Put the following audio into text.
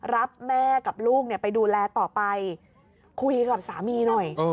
รับแม่กับลูกไปดูแลต่อไปคุยกับสามีหน่อย